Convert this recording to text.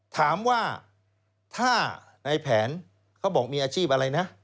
ถามว่าถ้าในแผนเขาบอกมีอาชีพอะไรนะ